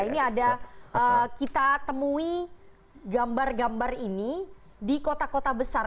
ini ada kita temui gambar gambar ini di kota kota besar